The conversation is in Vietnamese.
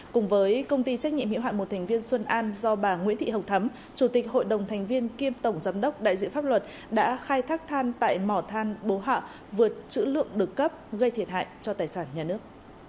cùng với công ty trách nhiệm hiệu hạn một thành viên xuân an do bà nguyễn thị hồng thấm chủ tịch hội đồng thành viên kiêm tổng giám đốc đại diện pháp luật đã khai thác than tại mỏ than bố hạ vượt chữ lượng được cấp gây thiệt hại cho tài sản nhà nước